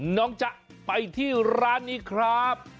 จ๊ะไปที่ร้านนี้ครับ